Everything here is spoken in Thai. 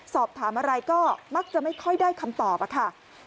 สอบถามอะไรก็มักจะไม่ค่อยได้คำตอบอะค่ะ